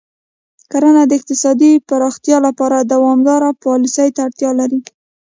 کرنه د اقتصادي پراختیا لپاره دوامداره پالیسۍ ته اړتیا لري.